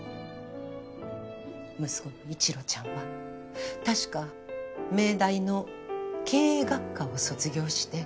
息子の一路ちゃんは確か名大の経営学科を卒業して。